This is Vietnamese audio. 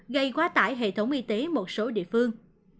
gây quá tải hệ thống y tế một số địa phương